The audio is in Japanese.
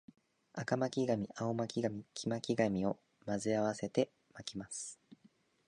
赤巻紙、青巻紙、黄巻紙を混ぜ合わせて巻きます